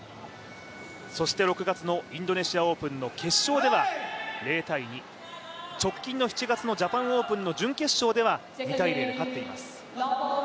そして６月のインドネシアオープンの決勝では０−２、直近の７月のジャパンオープンの準決勝では２−０で勝っています。